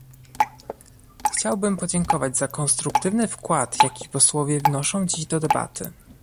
Chciałbym podziękować za konstruktywny wkład, jaki posłowie wnoszą dziś do debaty